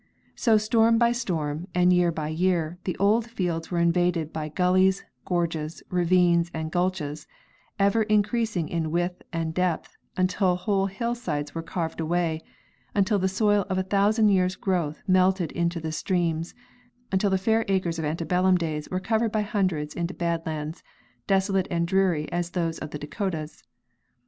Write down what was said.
So, storm by storm and year by year, the old fields were invaded by gullies, gorges, ravines and gulches, ever increasing in width and depth until whole hillsides were carved away, until the soil of a thousand years' growth melted into the streams, until the fair acres of ante bellum days were converted by hundreds into bad lands, desolate and dreary as those of the Dakotas.